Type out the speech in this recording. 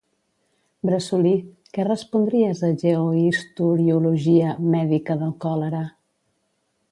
—Bressolí, què respondries a «Geohistoriologia mèdica del còlera»?